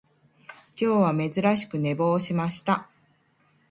今日は珍しく寝坊しました